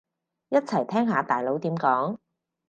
一齊聽下大佬點講